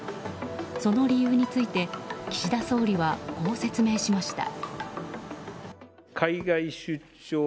その理由について岸田総理はこう説明しました。